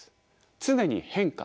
常に変化